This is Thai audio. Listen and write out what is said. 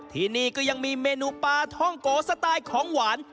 ที่นี่ก็ยังมีเมนูปลาท่องโกสไตล์ของหวาน